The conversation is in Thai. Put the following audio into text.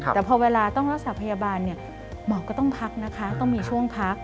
แต่พอเวลาต้องรักษาพยาบาลหมอก็ต้องพักนะคะต้องมีช่วงพัก